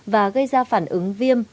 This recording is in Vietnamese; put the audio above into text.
và gây ra phản ứng viêm